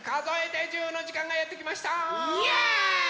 イエーイ！